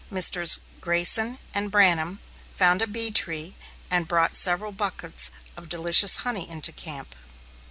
Messrs. Grayson and Branham found a bee tree, and brought several buckets of delicious honey into camp.